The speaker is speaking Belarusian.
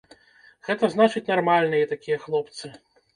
Гэта значыць нармальныя такія хлопцы.